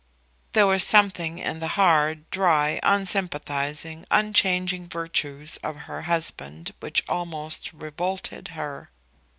There was something in the hard, dry, unsympathising, unchanging virtues of her husband which almost revolted her.